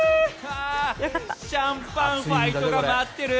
シャンパンファイトが待ってる！